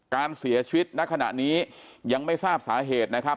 การเสียชีวิตณขณะนี้ยังไม่ทราบสาเหตุนะครับ